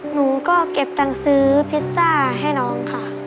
หนูก็เก็บตังค์ซื้อพิซซ่าให้น้องค่ะ